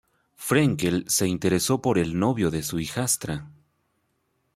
Frenkel se interesó por el novio de su hijastra.